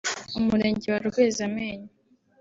Umurenge wa Rwezamenyo